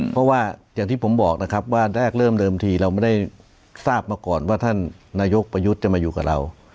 เพราะว่าอย่างที่ผมบอกนะครับว่าแรกเริ่มเดิมทีเราไม่ได้ทราบมาก่อนว่าท่านนายกประยุทธ์จะมาอยู่กับเรา